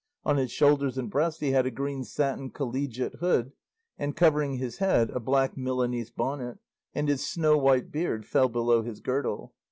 On his shoulders and breast he had a green satin collegiate hood, and covering his head a black Milanese bonnet, and his snow white beard fell below his girdle.